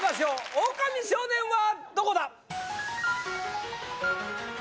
オオカミ少年はどこだ？